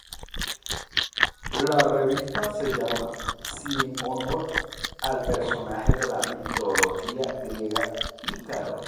La revista se llama si en honor al personaje de la mitología griega Ícaro.